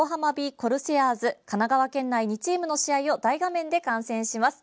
コルセアーズ神奈川県内２チームの試合を大画面で観戦します。